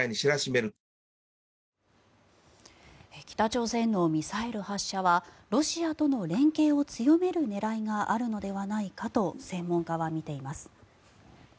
北朝鮮のミサイル発射はロシアとの連携を強める狙いがあるのではないかと専門家は見ています。